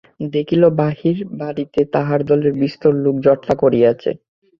দেখিল বাহির-বাড়িতে তাহার দলের বিস্তর লোক জটলা করিয়াছে।